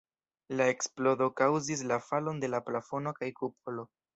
La eksplodo kaŭzis la falon de la plafono kaj kupolo.